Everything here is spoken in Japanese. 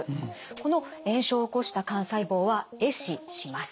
この炎症を起こした肝細胞は壊死します。